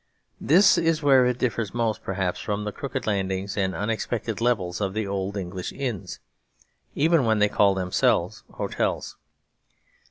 This is where it differs most perhaps from the crooked landings and unexpected levels of the old English inns, even when they call themselves hotels.